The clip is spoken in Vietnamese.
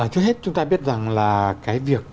trước hết chúng ta biết rằng là cái việc